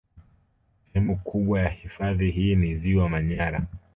Sehemu kubwa ya hifadhi hii ni ziwa Manyara